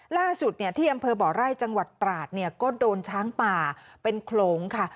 ล่าสุดที่อำเภอบ่อไร่จังหวัดตราดก็โดนช้างป่าเป็นโขลงค่ะ